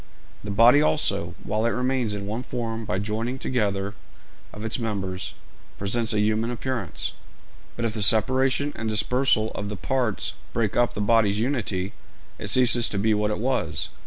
The body also, while it remains in one form by the joining together of its members, presents a human appearance; but if the separation and dispersal of the parts break up the body's unity, it ceases to be what it was.